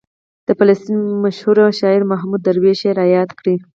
د فلسطین مشهور شاعر محمود درویش یې رایاد کړ.